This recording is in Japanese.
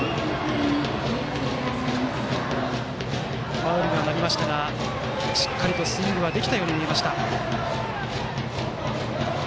ファウルとはなりましたがしっかりスイングはできたように見えました。